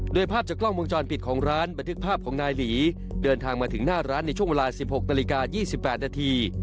โดยภาพจากกล้องวงจรปิดของร้านบันทึกภาพของนายหลีเดินทางมาถึงหน้าร้านในช่วงเวลา๑๖นาฬิกา๒๘นาที